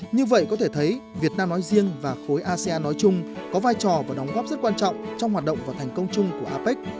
như vậy có thể thấy việt nam nói riêng và khối asean nói chung có vai trò và đóng góp rất quan trọng trong hoạt động và thành công chung của apec